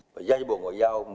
giao dịch bộ ngoại giao